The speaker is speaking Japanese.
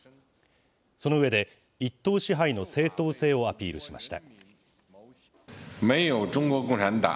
その上で、一党支配の正統性をアピールしました。